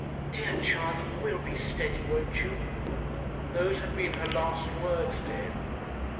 'Dear Charley, you will be steady; won't you?' Those had been her last words to him.